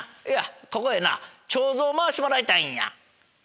ここへな手水を回してもらいたいんや。